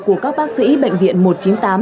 của các bác sĩ bệnh viện một trăm chín mươi tám